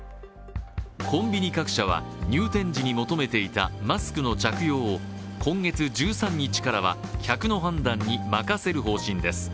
コンビニ各社は入店時に求めていたマスクの着用を今月１３日からは客の判断に任せる方針です。